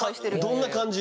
どんな感じ？